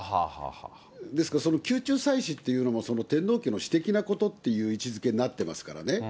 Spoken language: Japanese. ですから、宮中祭祀というのも天皇家の私的なことという位置づけになってますからね。